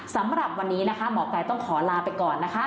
สำหรับวันนี้นะคะหมอไก่ต้องขอลาไปก่อนนะคะ